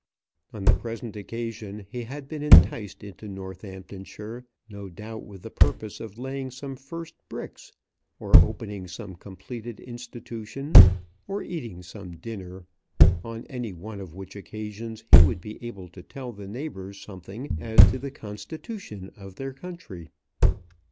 On the present occasion he had been enticed into Northamptonshire no doubt with the purpose of laying some first bricks, or opening some completed institution, or eating some dinner, on any one of which occasions he would be able to tell the neighbours something as to the constitution of their country.